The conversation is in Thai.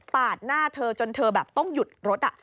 ปาดหน้าเธอจนเธอต้องหยุดรถ